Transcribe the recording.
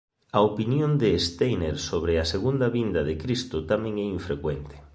A opinión de Steiner sobre a segunda vinda de Cristo tamén é infrecuente.